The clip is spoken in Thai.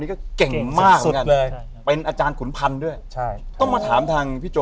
เหมือนอาจารย์นำวัดดรสาราเลย